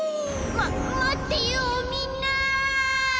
まっまってよみんな！